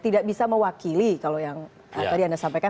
tidak bisa mewakili kalau yang tadi anda sampaikan